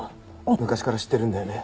昔から知ってるんだよね？